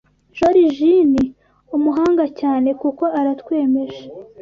jorijini umuhangacyanekuko aratwemeje